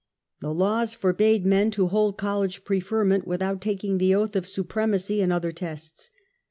The laws forbade men to hold college preferment without taking the oath of supremacy and other tests.